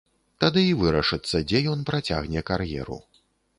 Тады і вырашыцца, дзе ён працягне кар'еру.